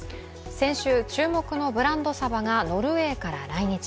先週、注目のブランドサバがノルウェーから来日。